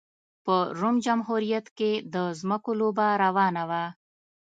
په روم جمهوریت کې د ځمکو لوبه روانه وه